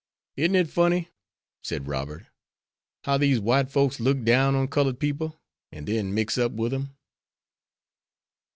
"Isn't it funny," said Robert, "how these white folks look down on colored people, an' then mix up with them?"